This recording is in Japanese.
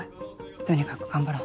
とにかく頑張ろう。